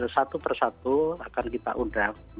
satu persatu akan kita undang